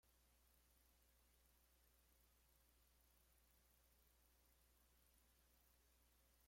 It was the only album released while the group's original line-up was together.